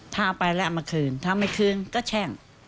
ถ้าเอาไปแล้วเอามาคืนถ้าไม่คืนก็แช่ง